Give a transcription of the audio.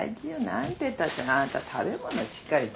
何てったってあなた食べ物しっかり食べないとさ。